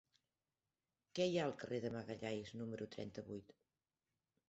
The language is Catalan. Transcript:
Què hi ha al carrer de Magalhães número trenta-vuit?